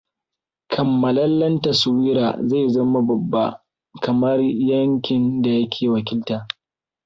Kammalallen taswira zai zama babba kamar yankin da yake wakilta.